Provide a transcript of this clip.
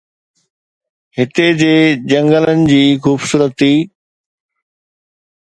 هتي جي جنگلن جي خوبصورتي